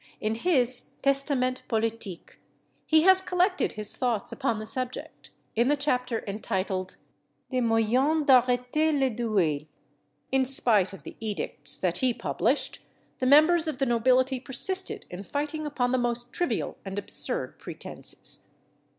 In his Testament Politique, he has collected his thoughts upon the subject, in the chapter entitled "Des moyens d'arrêter les Duels." In spite of the edicts that he published, the members of the nobility persisted in fighting upon the most trivial and absurd pretences.